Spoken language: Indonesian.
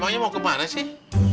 emangnya mau kemana sih